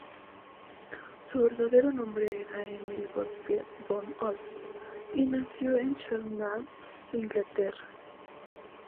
Su verdadero nombre era Emil Gottfried von Holst, y nació en Cheltenham, Inglaterra.